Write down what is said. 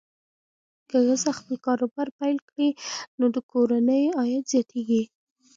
که ښځه خپل کاروبار پیل کړي، نو د کورنۍ عاید زیاتېږي.